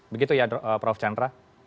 begitu ya prof chandra